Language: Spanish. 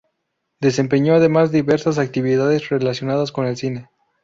Desempeñó además diversas actividades relacionadas con el cine.